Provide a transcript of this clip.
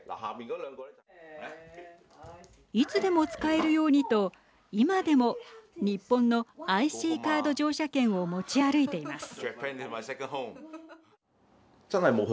いつでも使えるようにと今でも日本のＩＣカード乗車券を持ち歩いています。